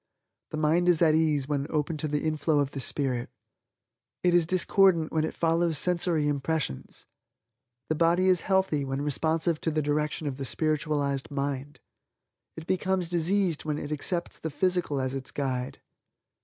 The mind is at ease when open to the inflow of the Spirit. It is discordant when it follows sensory impressions. The body is healthy when responsive to the direction of the spiritualized mind. It becomes diseased when it accepts the physical as its guide.